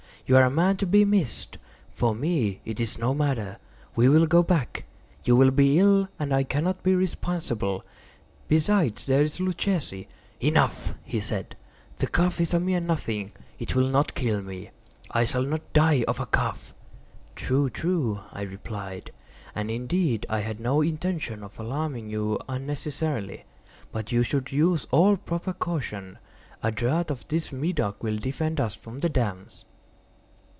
You are a man to be missed. For me it is no matter. We will go back; you will be ill, and I cannot be responsible. Besides, there is Luchesi—" "Enough," he said; "the cough is a mere nothing; it will not kill me. I shall not die of a cough." "True—true," I replied; "and, indeed, I had no intention of alarming you unnecessarily—but you should use all proper caution. A draught of this Medoc will defend us from the damps."